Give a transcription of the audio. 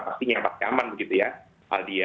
pastinya yang pasti aman begitu ya